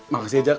makasih ya jat